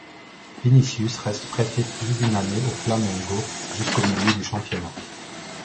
Vinícius reste prêté plus d'une année au Flamengo jusqu'au milieu du championnat.